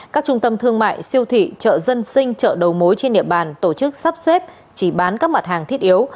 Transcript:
các trung tâm thương mại siêu thị chợ dân sinh chợ đầu mối trên địa bàn tổ chức sắp xếp chỉ bán các mặt hàng thiết yếu